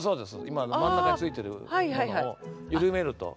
今真ん中についてるものを緩めると。